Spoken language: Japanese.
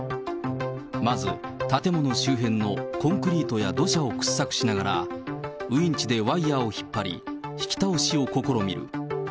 まず建物周辺のコンクリートや土砂を掘削しながら、ウインチでワイヤを引っ張り、引き倒しを試みる。